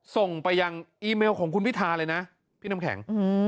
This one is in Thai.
ส่งไปยังอีเมลของคุณพิธาเลยนะพี่น้ำแข็ง